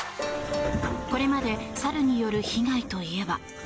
これまで猿による被害といえば。